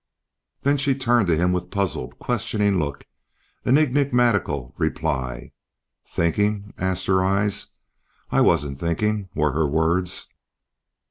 Then she turned to him with puzzled questioning look and enigmatical reply. "Thinking?" asked her eyes. "I wasn't thinking," were her words.